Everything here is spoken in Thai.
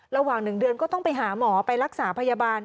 ระหว่าง๑เดือนก็ต้องไปหาหมอไปรักษาพยาบาล